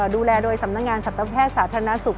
ดูแลโดยสำนักงานสัตวแพทย์สาธารณสุข